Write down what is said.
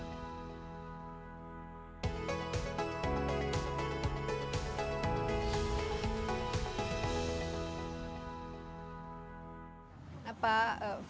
jadi kita bisa menggunakan alat tanam menggunakan robotik